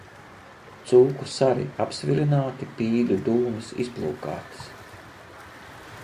Cūku sari apsvilināti, pīļu dūnas izplūkātas.